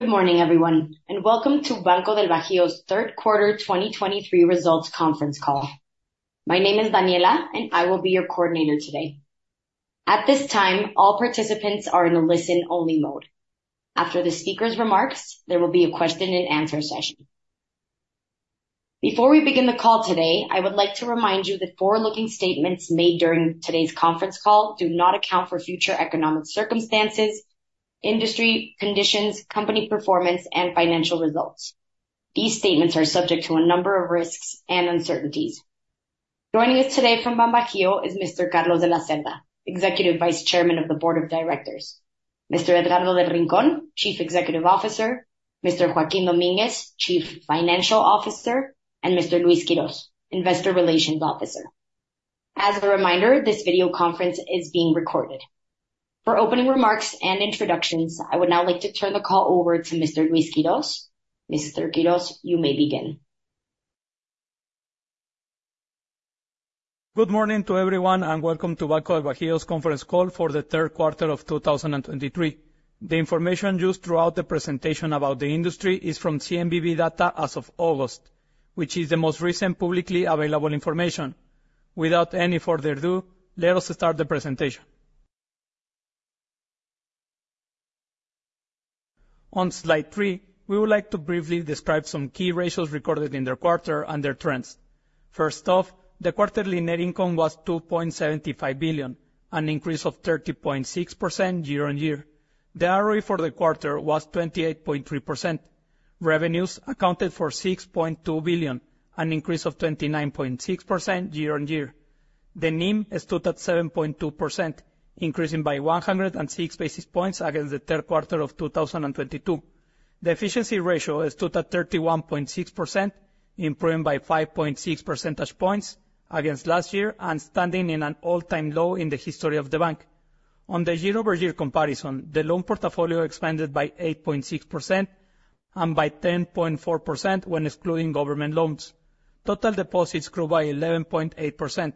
Good morning, everyone, and welcome to Banco del Bajío's third quarter 2023 results conference call. My name is Daniela, and I will be your coordinator today. At this time, all participants are in a listen-only mode. After the speaker's remarks, there will be a question and answer session. Before we begin the call today, I would like to remind you that forward-looking statements made during today's conference call do not account for future economic circumstances, industry conditions, company performance, and financial results. These statements are subject to a number of risks and uncertainties. Joining us today from BanBajío is Mr. Carlos De La Cerda, Executive Vice Chairman of the Board of Directors, Mr. Edgardo del Rincón, Chief Executive Officer, Mr. Joaquín Domínguez, Chief Financial Officer, and Mr. Luis Quiroz, Investor Relations Officer. As a reminder, this video conference is being recorded. For opening remarks and introductions, I would now like to turn the call over to Mr. Luis Quiroz. Mr. Quiroz, you may begin. Good morning to everyone, and welcome to Banco del Bajío's conference call for the third quarter of 2023. The information used throughout the presentation about the industry is from CNBV data as of August, which is the most recent publicly available information. Without any further ado, let us start the presentation. On slide three, we would like to briefly describe some key ratios recorded in the quarter and their trends. First off, the quarterly net income was 2.75 billion, an increase of 30.6% year-on-year. The ROE for the quarter was 28.3%. Revenues accounted for 6.2 billion, an increase of 29.6% year-on-year. The NIM stood at 7.2%, increasing by 106 basis points against the third quarter of 2022. The efficiency ratio stood at 31.6%, improving by 5.6 percentage points against last year and standing in an all-time low in the history of the bank. On the year-over-year comparison, the loan portfolio expanded by 8.6% and by 10.4% when excluding government loans. Total deposits grew by 11.8%.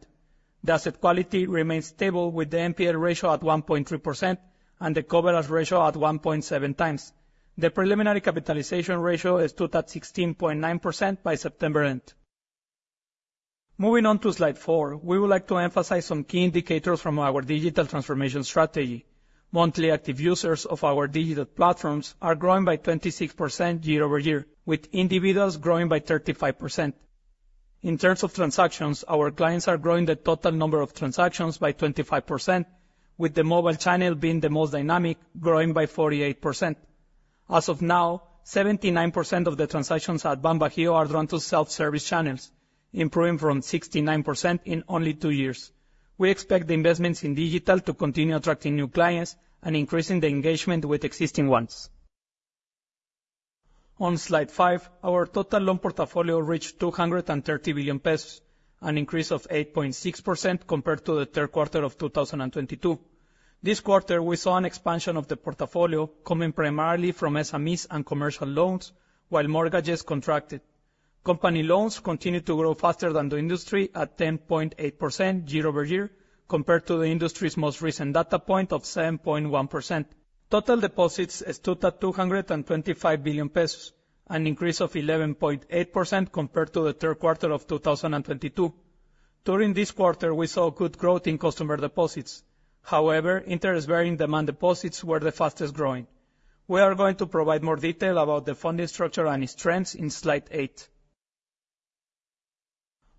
The asset quality remains stable, with the NPL ratio at 1.3% and the coverage ratio at 1.7 times. The preliminary capitalization ratio stood at 16.9% by September end. Moving on to slide four, we would like to emphasize some key indicators from our digital transformation strategy. Monthly active users of our digital platforms are growing by 26% year over year, with individuals growing by 35%. In terms of transactions, our clients are growing the total number of transactions by 25%, with the mobile channel being the most dynamic, growing by 48%. As of now, 79% of the transactions at BanBajío are run through self-service channels, improving from 69% in only two years. We expect the investments in digital to continue attracting new clients and increasing the engagement with existing ones. On slide five, our total loan portfolio reached 230 billion pesos, an increase of 8.6% compared to the third quarter of 2022. This quarter, we saw an expansion of the portfolio coming primarily from SMEs and commercial loans, while mortgages contracted. Company loans continued to grow faster than the industry at 10.8% year-over-year, compared to the industry's most recent data point of 7.1%. Total deposits stood at 225 billion pesos, an increase of 11.8% compared to the third quarter of 2022. During this quarter, we saw good growth in customer deposits. However, interest-bearing demand deposits were the fastest growing. We are going to provide more detail about the funding structure and its trends in slide eight.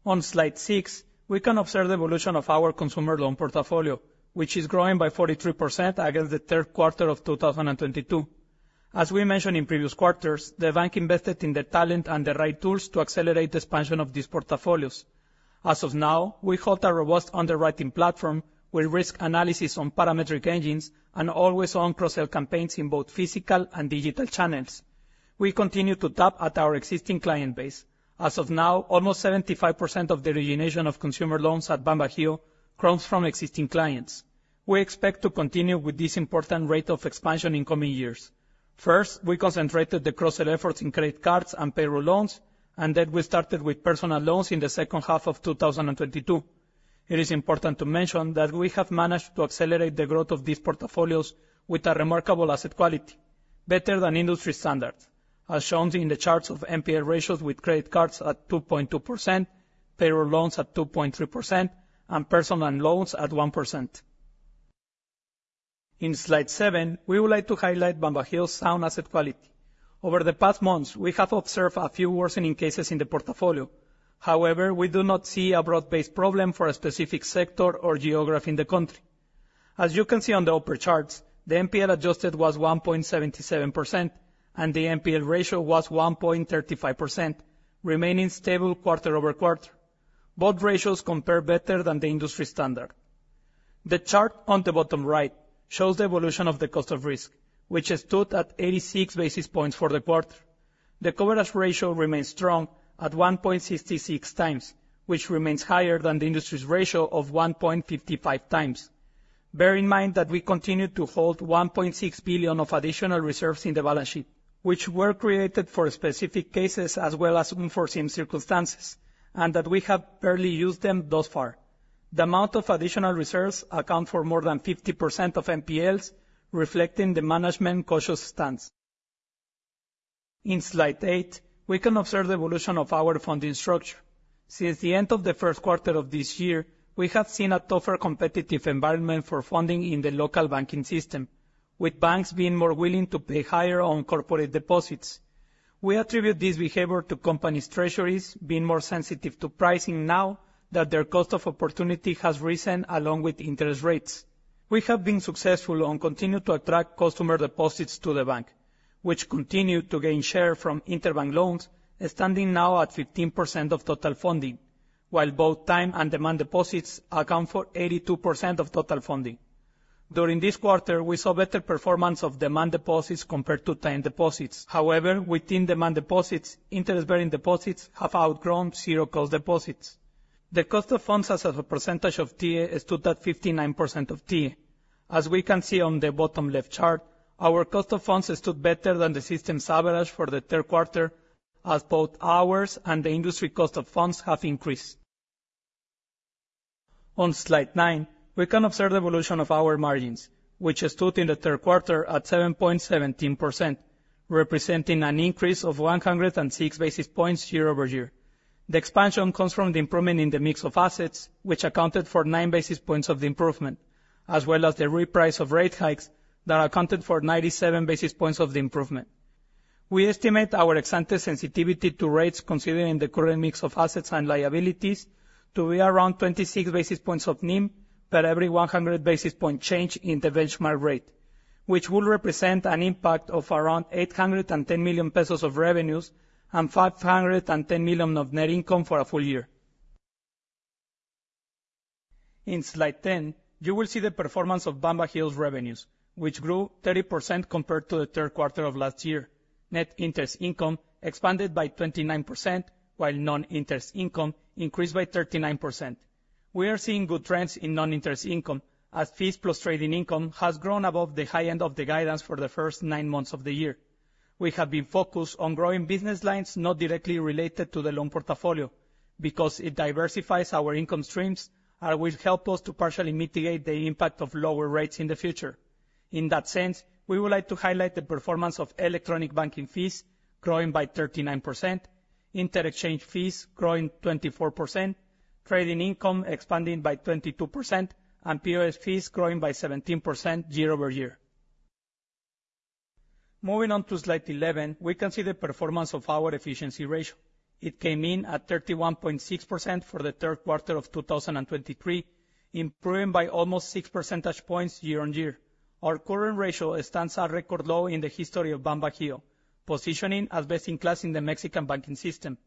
On slide six, we can observe the evolution of our consumer loan portfolio, which is growing by 43% against the third quarter of 2022. As we mentioned in previous quarters, the bank invested in the talent and the right tools to accelerate the expansion of these portfolios. As of now, we hold a robust underwriting platform with risk analysis on parametric engines and always-on cross-sell campaigns in both physical and digital channels. We continue to tap at our existing client base. As of now, almost 75% of the origination of consumer loans at BanBajío comes from existing clients. We expect to continue with this important rate of expansion in coming years. First, we concentrated the cross-sell efforts in credit cards and payroll loans, and then we started with personal loans in the second half of 2022. It is important to mention that we have managed to accelerate the growth of these portfolios with a remarkable asset quality, better than industry standards, as shown in the charts of NPL ratios, with credit cards at 2.2%, payroll loans at 2.3%, and personal loans at 1%. In slide seven, we would like to highlight BanBajío's sound asset quality. Over the past months, we have observed a few worsening cases in the portfolio. However, we do not see a broad-based problem for a specific sector or geography in the country. As you can see on the upper charts, the NPL adjusted was 1.77%, and the NPL ratio was 1.35%, remaining stable quarter-over-quarter. Both ratios compare better than the industry standard. The chart on the bottom right shows the evolution of the cost of risk, which stood at 86 basis points for the quarter. The coverage ratio remains strong at 1.66 times, which remains higher than the industry's ratio of 1.55 times. Bear in mind that we continue to hold 1.6 billion of additional reserves in the balance sheet, which were created for specific cases as well as unforeseen circumstances, and that we have barely used them thus far.... The amount of additional reserves account for more than 50% of NPLs, reflecting the management's cautious stance. In slide eight, we can observe the evolution of our funding structure. Since the end of the first quarter of this year, we have seen a tougher competitive environment for funding in the local banking system, with banks being more willing to pay higher on corporate deposits. We attribute this behavior to companies' treasuries being more sensitive to pricing now that their cost of opportunity has risen along with interest rates. We have been successful on continuing to attract customer deposits to the bank, which continue to gain share from interbank loans, standing now at 15% of total funding, while both time and demand deposits account for 82% of total funding. During this quarter, we saw better performance of demand deposits compared to time deposits. However, within demand deposits, interest-bearing deposits have outgrown zero cost deposits. The cost of funds as a percentage of TIIE stood at 59% of TA. As we can see on the bottom left chart, our cost of funds stood better than the system's average for the third quarter, as both ours and the industry cost of funds have increased. On slide nine, we can observe the evolution of our margins, which stood in the third quarter at 7.17%, representing an increase of 106 basis points year-over-year. The expansion comes from the improvement in the mix of assets, which accounted for 9 basis points of the improvement, as well as the reprice of rate hikes that accounted for 97 basis points of the improvement. We estimate our ex ante sensitivity to rates, considering the current mix of assets and liabilities, to be around 26 basis points of NIM per every 100 basis point change in the benchmark rate, which will represent an impact of around 810 million pesos of revenues and 510 million of net income for a full year. In slide 10, you will see the performance of BanBajío's revenues, which grew 30% compared to the third quarter of last year. Net interest income expanded by 29%, while non-interest income increased by 39%. We are seeing good trends in non-interest income, as fees plus trading income has grown above the high end of the guidance for the first nine months of the year. We have been focused on growing business lines not directly related to the loan portfolio, because it diversifies our income streams, and will help us to partially mitigate the impact of lower rates in the future. In that sense, we would like to highlight the performance of electronic banking fees, growing by 39%, interchange fees growing 24%, trading income expanding by 22%, and POS fees growing by 17% year-over-year. Moving on to slide 11, we can see the performance of our efficiency ratio. It came in at 31.6% for the third quarter of 2023, improving by almost six percentage points year-on-year. Our current ratio stands at a record low in the history of BanBajío, positioning as best in class in the Mexican banking system.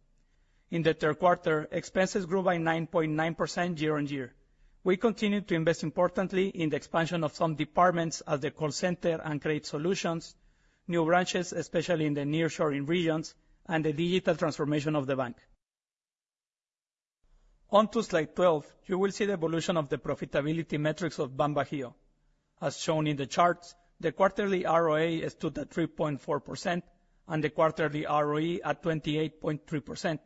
In the third quarter, expenses grew by 9.9% year-on-year. We continue to invest importantly in the expansion of some departments, as the call center and credit solutions, new branches, especially in the nearshoring regions, and the digital transformation of the bank. On to slide 12, you will see the evolution of the profitability metrics of BanBajío. As shown in the charts, the quarterly ROA stood at 3.4%, and the quarterly ROE at 28.3%.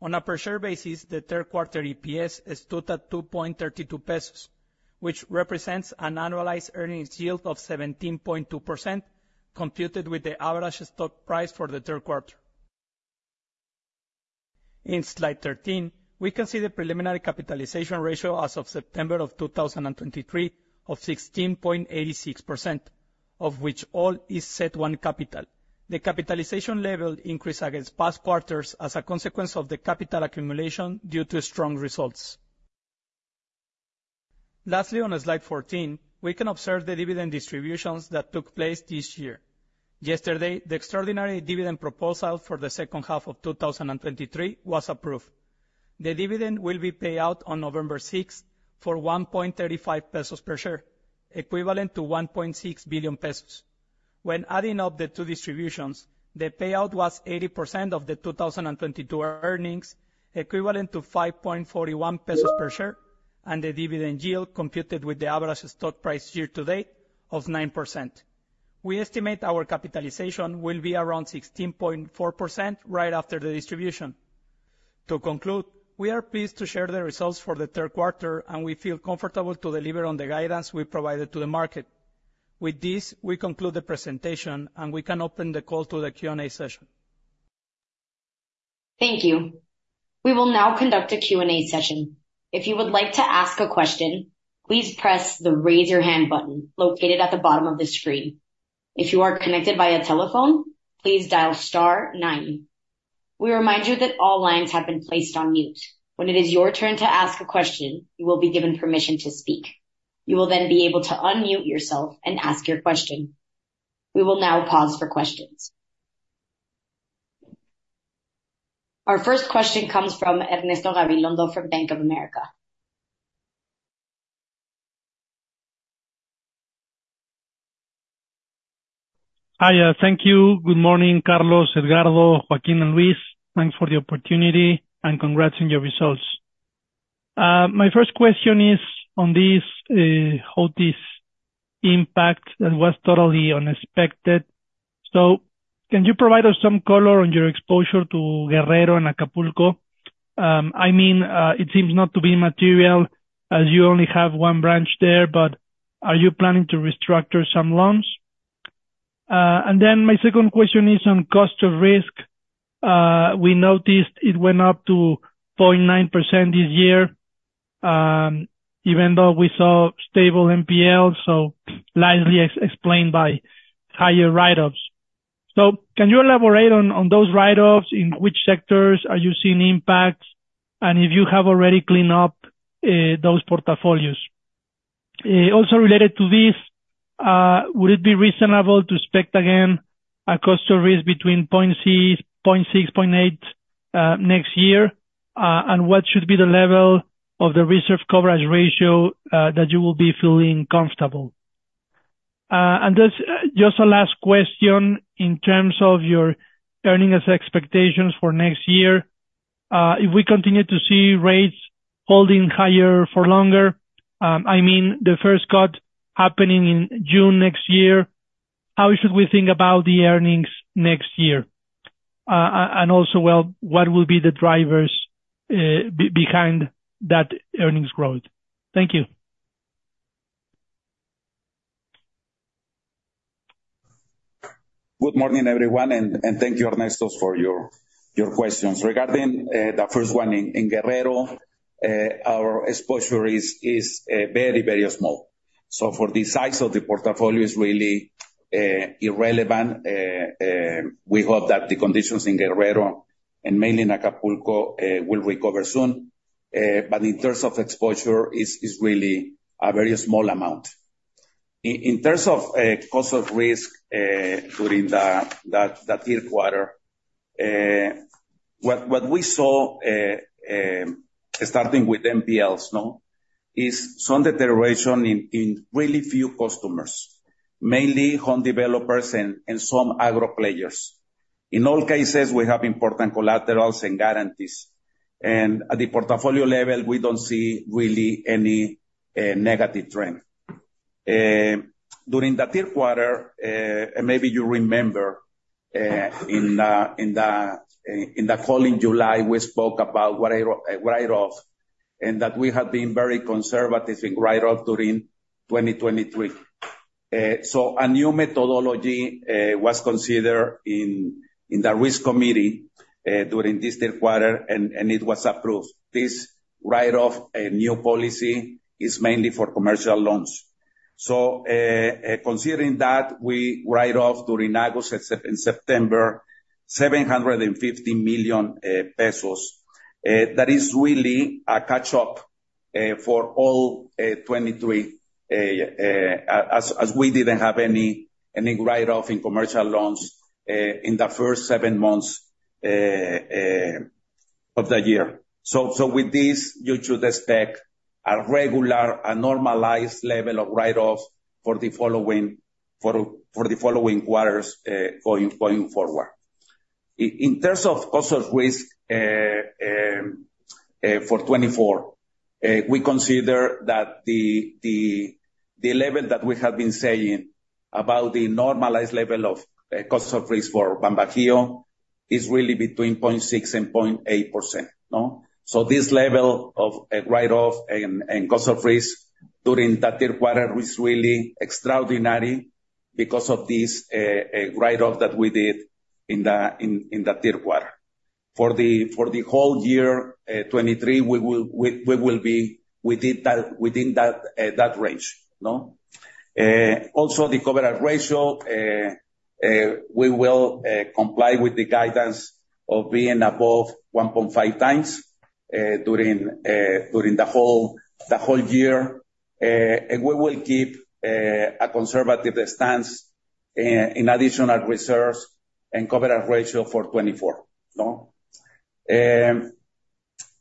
On a per share basis, the third quarter EPS stood at 2.32 pesos, which represents an annualized earnings yield of 17.2%, computed with the average stock price for the third quarter. In slide 13, we can see the preliminary capitalization ratio as of September of 2023, of 16.86%, of which all is Tier 1 capital. The capitalization level increased against past quarters as a consequence of the capital accumulation due to strong results. Lastly, on slide 14, we can observe the dividend distributions that took place this year. Yesterday, the extraordinary dividend proposal for the second half of 2023 was approved. The dividend will be paid out on November 6 for 1.35 pesos per share, equivalent to 1.6 billion pesos. When adding up the two distributions, the payout was 80% of the 2022 earnings, equivalent to 5.41 pesos per share, and the dividend yield computed with the average stock price year to date of 9%. We estimate our capitalization will be around 16.4% right after the distribution. To conclude, we are pleased to share the results for the third quarter, and we feel comfortable to deliver on the guidance we provided to the market. With this, we conclude the presentation, and we can open the call to the Q&A session. Thank you. We will now conduct a Q&A session. If you would like to ask a question, please press the Raise Your Hand button located at the bottom of the screen. If you are connected via telephone, please dial star nine. We remind you that all lines have been placed on mute. When it is your turn to ask a question, you will be given permission to speak. You will then be able to unmute yourself and ask your question. We will now pause for questions. Our first question comes from Ernesto Gabilondo from Bank of America. Hi, thank you. Good morning, Carlos, Edgardo, Joaquín, and Luis. Thanks for the opportunity, and congrats on your results. My first question is on this impact and was totally unexpected. So can you provide us some color on your exposure to Guerrero and Acapulco? I mean, it seems not to be material, as you only have one branch there, but are you planning to restructure some loans? And then my second question is on cost of risk. We noticed it went up to 0.9% this year, even though we saw stable NPL, so largely explained by higher write-offs. So can you elaborate on those write-offs? In which sectors are you seeing impacts, and if you have already cleaned up those portfolios? Also related to this, would it be reasonable to expect again, a cost of risk between 0.6%-0.8% next year? And what should be the level of the reserve coverage ratio that you will be feeling comfortable? And just, just a last question in terms of your earnings expectations for next year. If we continue to see rates holding higher for longer, I mean, the first cut happening in June next year, how should we think about the earnings next year? And also, well, what will be the drivers behind that earnings growth? Thank you. Good morning, everyone, and thank you, Ernesto, for your questions. Regarding the first one in Guerrero, our exposure is very, very small. So for the size of the portfolio, it's really irrelevant. We hope that the conditions in Guerrero and mainly in Acapulco will recover soon. But in terms of exposure, is really a very small amount. In terms of cost of risk, during that third quarter, what we saw, starting with NPLs, is some deterioration in really few customers, mainly home developers and some agro players. In all cases, we have important collaterals and guarantees, and at the portfolio level, we don't see really any negative trend. During the third quarter, and maybe you remember, in the following July, we spoke about a write-off, and that we have been very conservative in write-off during 2023. So a new methodology was considered in the risk committee during this third quarter, and it was approved. This write-off, a new policy, is mainly for commercial loans. So, considering that, we write off during August and in September, 750 million pesos. That is really a catch up for all 2023, as we didn't have any write-off in commercial loans in the first seven months of the year. So, with this, you should expect a regular, normalized level of write-offs for the following quarters going forward. In terms of cost of risk, for 2024, we consider that the level that we have been saying about the normalized level of cost of risk for BanBajío is really between 0.6% and 0.8%, no? So this level of write-off and cost of risk during that third quarter is really extraordinary because of this write-off that we did in the third quarter. For the whole year 2023, we will be within that range, no? Also the coverage ratio, we will comply with the guidance of being above 1.5 times during the whole year. And we will keep a conservative stance in additional reserves and coverage ratio for 2024, no?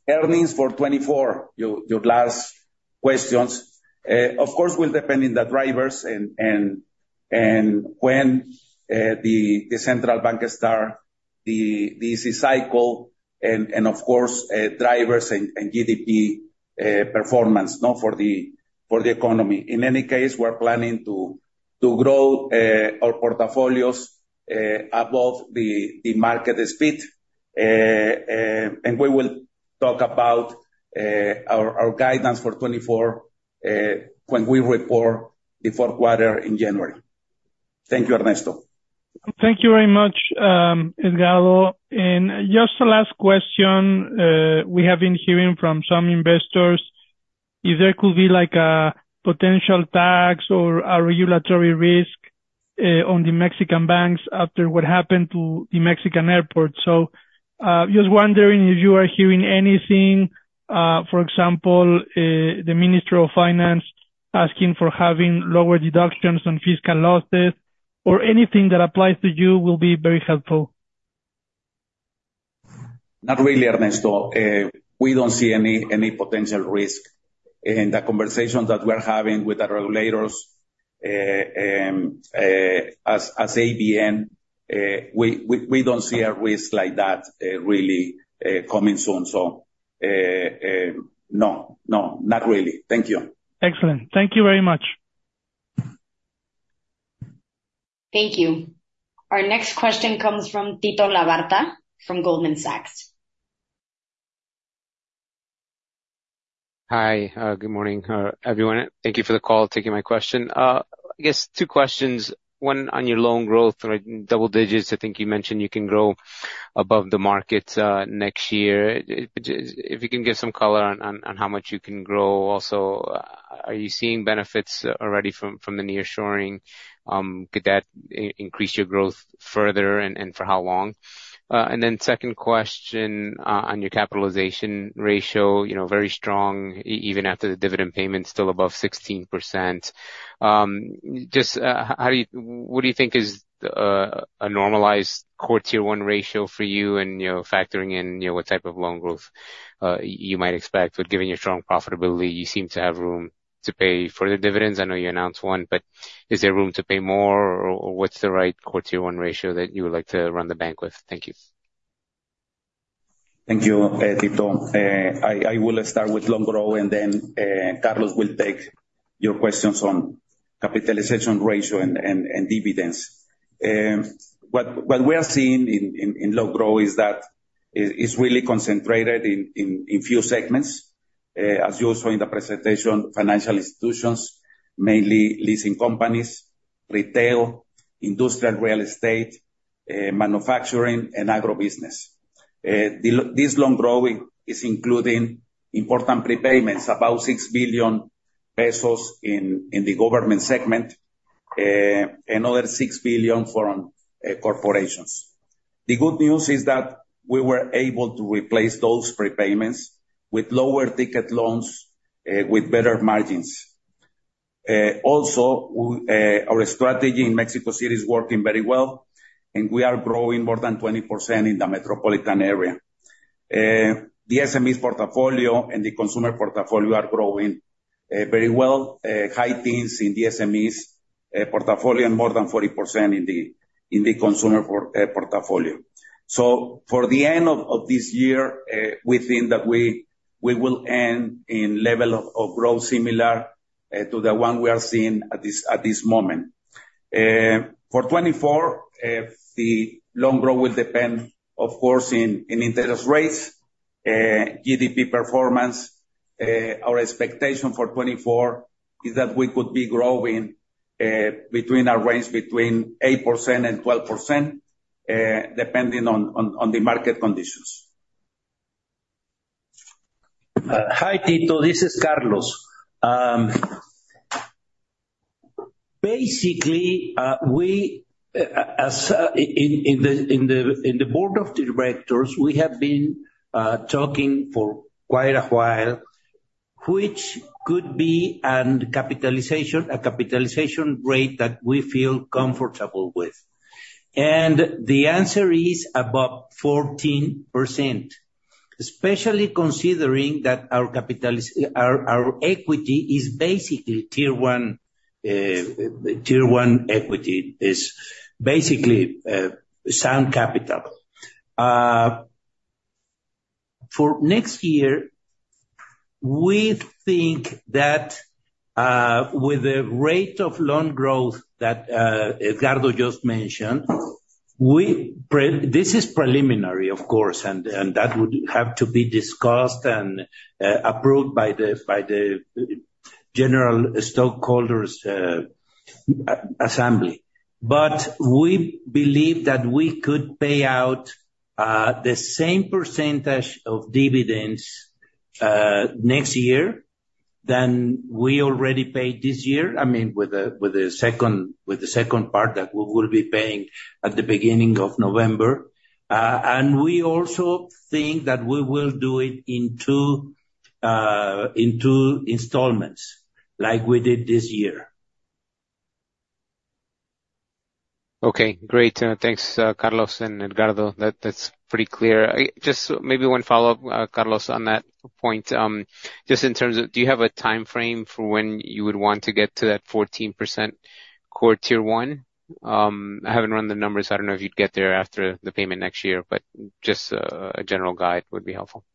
Earnings for 2024, your last questions. Of course, will depend on the drivers and when the central bank start the easy cycle, and of course, drivers and GDP performance, no, for the economy. In any case, we're planning to grow our portfolios above the market speed. And we will talk about our guidance for 2024 when we report the fourth quarter in January. Thank you, Ernesto. Thank you very much, Edgardo. And just the last question, we have been hearing from some investors if there could be like a potential tax or a regulatory risk on the Mexican banks after what happened to the Mexican airport. So, just wondering if you are hearing anything, for example, the Ministry of Finance asking for having lower deductions on fiscal losses or anything that applies to you will be very helpful. Not really, Ernesto. We don't see any potential risk in the conversations that we're having with the regulators. As ABM, we don't see a risk like that really coming soon. No, not really. Thank you. Excellent. Thank you very much. Thank you. Our next question comes from Tito Labarta from Goldman Sachs. Hi, good morning, everyone. Thank you for the call, taking my question. I guess two questions. One, on your loan growth, like double digits, I think you mentioned you can grow above the market, next year. If you can give some color on how much you can grow. Also, are you seeing benefits already from the nearshoring? Could that increase your growth further, and for how long? And then second question, on your capitalization ratio, you know, very strong even after the dividend payment, still above 16%. Just, how do you—what do you think is a normalized core Tier 1 ratio for you? And, you know, factoring in, you know, what type of loan growth you might expect. But given your strong profitability, you seem to have room to pay for the dividends. I know you announced one, but is there room to pay more or what's the right core Tier 1 ratio that you would like to run the bank with? Thank you. Thank you, Tito. I will start with loan growth, and then, Carlos will take your questions on capitalization ratio and dividends. What we are seeing in loan growth is that it's really concentrated in few segments. As you saw in the presentation, financial institutions, mainly leasing companies, retail, industrial real estate, manufacturing and agribusiness. This loan growth is including important prepayments, about 6 billion pesos in the government segment, another 6 billion foreign corporations. The good news is that we were able to replace those prepayments with lower ticket loans, with better margins. Also, our strategy in Mexico City is working very well, and we are growing more than 20% in the metropolitan area. The SMEs portfolio and the consumer portfolio are growing very well. High teens in the SMEs portfolio and more than 40% in the consumer portfolio. So for the end of this year, within that we will end in level of growth similar to the one we are seeing at this moment. For 2024, the loan growth will depend, of course, in interest rates, GDP performance. Our expectation for 2024 is that we could be growing between a range between 8% and 12%, depending on the market conditions. Hi, Tito, this is Carlos. Basically, as in the board of directors, we have been talking for quite a while, which could be a capitalization rate that we feel comfortable with. The answer is above 14%, especially considering that our equity is basically Tier 1. Tier 1 equity is basically sound capital. For next year, we think that with the rate of loan growth that Edgardo just mentioned, this is preliminary, of course, and that would have to be discussed and approved by the general stockholders assembly. We believe that we could pay out the same percentage of dividends next year than we already paid this year. I mean, with the second part that we will be paying at the beginning of November. We also think that we will do it in two installments, like we did this year. Okay, great. Thanks, Carlos and Edgardo. That, that's pretty clear. Just maybe one follow-up, Carlos, on that point. Just in terms of, do you have a timeframe for when you would want to get to that 14% core Tier 1? I haven't run the numbers, so I don't know if you'd get there after the payment next year, but just a general guide would be helpful.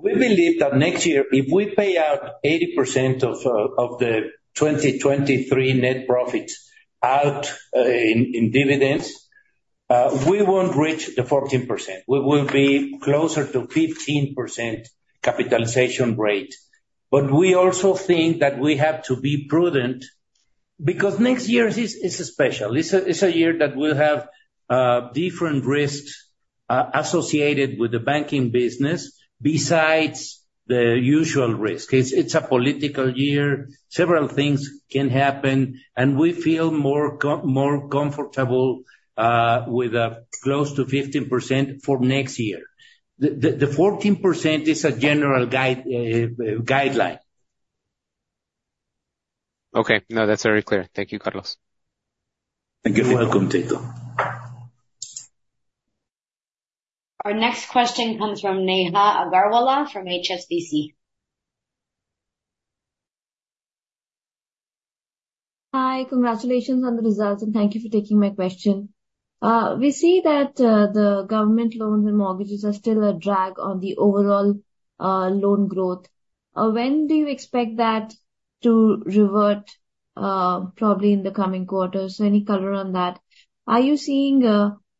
We believe that next year, if we pay out 80% of the 2023 net profits out in dividends, we won't reach the 14%. We will be closer to 15% capitalization rate. But we also think that we have to be prudent, because next year is special. It's a year that will have different risks associated with the banking business, besides the usual risk. It's a political year. Several things can happen, and we feel more comfortable with close to 15% for next year. The 14% is a general guide, guideline. Okay. No, that's very clear. Thank you, Carlos. You're welcome, Tito. Our next question comes from Neha Agarwala, from HSBC. Hi, congratulations on the results, and thank you for taking my question. We see that the government loans and mortgages are still a drag on the overall loan growth. When do you expect that to revert, probably in the coming quarters? Any color on that. Are you seeing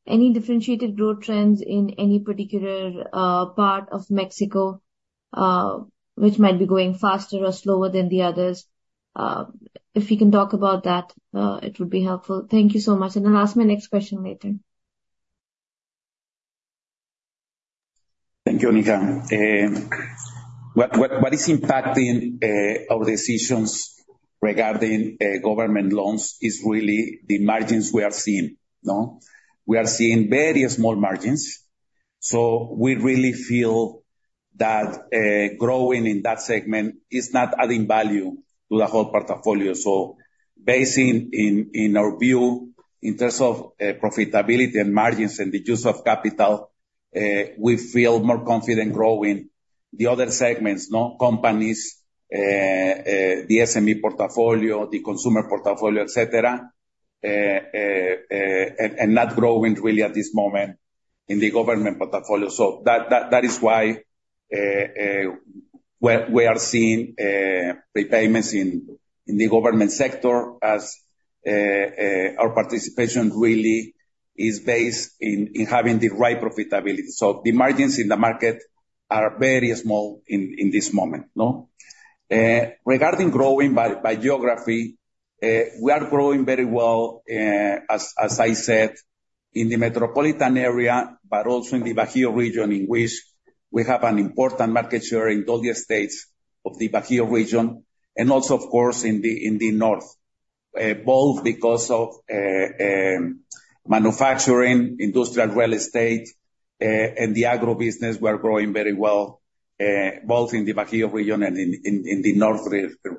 any differentiated growth trends in any particular part of Mexico, which might be going faster or slower than the others? If you can talk about that, it would be helpful. Thank you so much, and I'll ask my next question later. Thank you, Neha. What is impacting our decisions regarding government loans is really the margins we are seeing. No? We are seeing very small margins, so we really feel that growing in that segment is not adding value to the whole portfolio. So basing in our view, in terms of profitability and margins and the use of capital, we feel more confident growing the other segments, no companies, the SME portfolio, the consumer portfolio, et cetera, and not growing really at this moment in the government portfolio. So that is why we are seeing repayments in the government sector as our participation really is based in having the right profitability. So the margins in the market are very small in this moment, no? Regarding growing by geography, we are growing very well, as I said, in the metropolitan area, but also in the Bajío region, in which we have an important market share in all the states of the Bajío region and also of course in the north. Both because of manufacturing, industrial real estate, and the agro business. We are growing very well, both in the Bajío region and in the north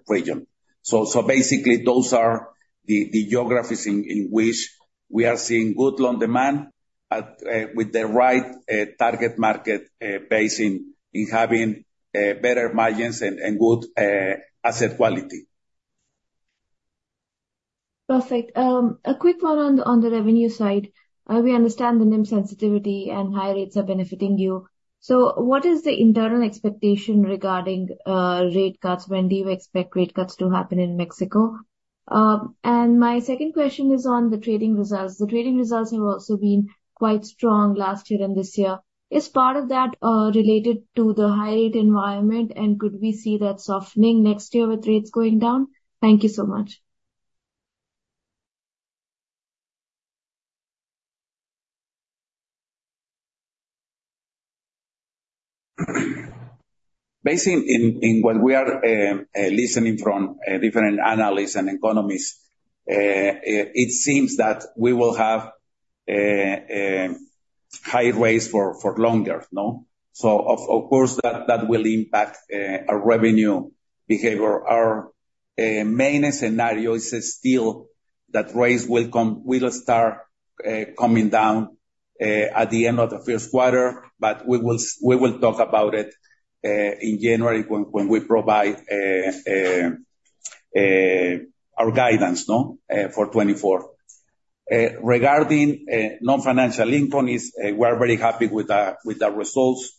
region. So basically, those are the geographies in which we are seeing good loan demand with the right target market based on having better margins and good asset quality. Perfect. A quick follow-on on the revenue side. We understand the NIM sensitivity and higher rates are benefiting you. So what is the internal expectation regarding rate cuts? When do you expect rate cuts to happen in Mexico? And my second question is on the trading results. The trading results have also been quite strong last year and this year. Is part of that related to the high rate environment, and could we see that softening next year with rates going down? Thank you so much. Based on what we are hearing from different analysts and economists, it seems that we will have high rates for longer, no? So of course, that will impact our revenue behavior. Our main scenario is still that rates will start coming down at the end of the first quarter, but we will talk about it in January, when we provide our guidance, no? For 2024. Regarding non-financial income, we're very happy with the results.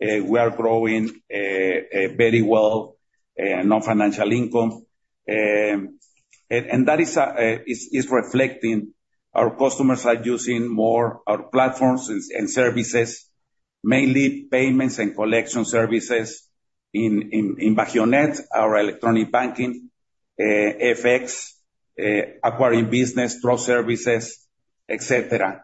We are growing very well non-financial income. That is reflecting our customers are using more our platforms and services, mainly payments and collection services in BajioNet, our electronic banking, FX, acquiring business, pro services, et cetera.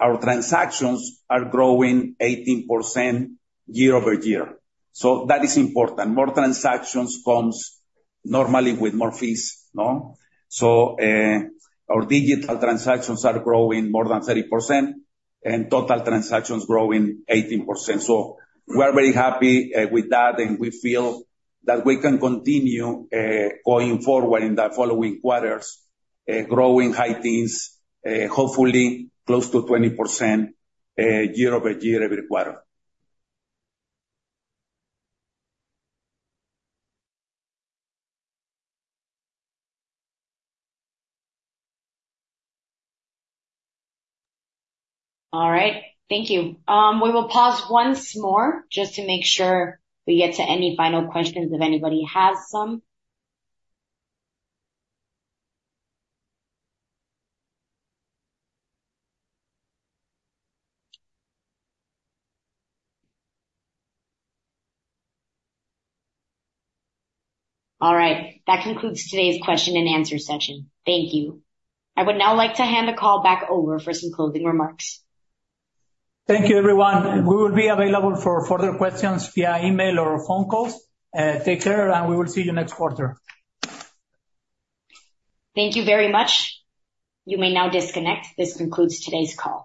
Our transactions are growing 18% year-over-year. So that is important. More transactions comes normally with more fees, no? So, our digital transactions are growing more than 30%, and total transactions growing 18%. So we are very happy with that, and we feel that we can continue going forward in the following quarters growing high teens, hopefully close to 20% year-over-year, every quarter. All right. Thank you. We will pause once more just to make sure we get to any final questions, if anybody has some. All right. That concludes today's question and answer session. Thank you. I would now like to hand the call back over for some closing remarks. Thank you, everyone. We will be available for further questions via email or phone calls. Take care, and we will see you next quarter. Thank you very much. You may now disconnect. This concludes today's call.